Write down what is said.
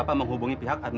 panasnya tinggi sekali